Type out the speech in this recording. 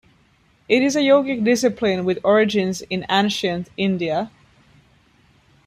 It is a yogic discipline with origins in ancient India.